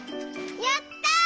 やった！